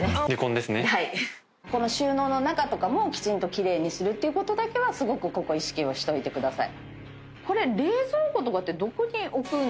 この収納の中とかもきちんと奇麗にすることだけはすごく意識をしておいてください。